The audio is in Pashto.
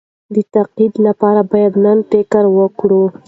د تقاعد لپاره باید نن فکر وکړو.